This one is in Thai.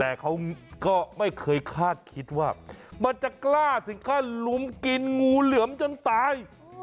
แต่เขาก็ไม่เคยคาดคิดว่ามันจะกล้าถึงขั้นลุมกินงูเหลือมจนตาย